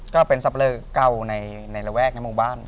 ก็เป็นซับเลอร์เก่าในระแวกในหมู่บ้าน